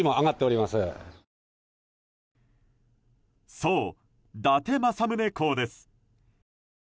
そう、伊達政宗公です。